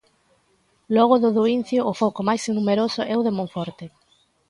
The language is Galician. Logo do do Incio, o foco máis numeroso é o de Monforte.